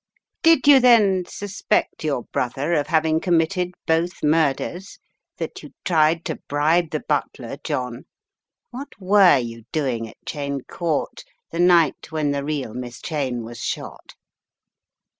Did you then suspect your brother of having committed both murders, that you tried to bribe the butler, John? What were you doing at Cheyne Court the night when the real Miss Cheyne was shot?"